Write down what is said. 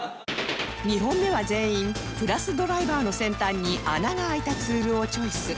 ２本目は全員プラスドライバーの先端に穴が開いたツールをチョイス